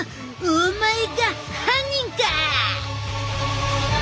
お前が犯人か！